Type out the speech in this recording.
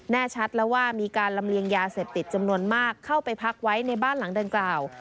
แน่ชัดแล้วว่ามีการลำเลียงยาเสพติดจำนวนมากเข้าไปพักไว้ในบ้านหลังดังกล่าว